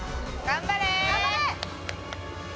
頑張れ！